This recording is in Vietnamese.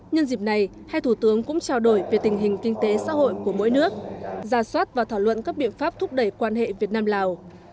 nhân dịp này hai thủ tướng cũng trao đổi về tình hình kinh tế xã hội của mỗi nước ra soát và thảo luận các biện pháp thúc đẩy quan hệ việt nam lào